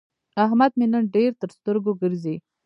احمد مې نن ډېر تر سترګو ګرځي.